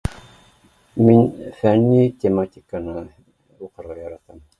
Мин фәнни тематиканы уҡырға яратам